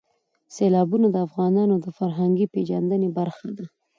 سیلابونه د افغانانو د فرهنګي پیژندنې برخه ده.